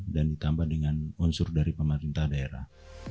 dan ditambah dengan unsur dari pemerintah daerah